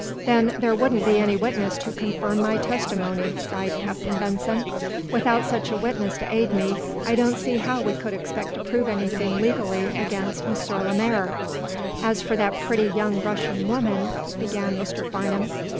"Then there wouldn't be any witness to confirm my testimony," sighed Captain Benson. "Without such a witness to aid me, I don't see how we could expect to prove anything legally against M. Lemaire." "As for that pretty young Russian woman " began Mr. Farnum.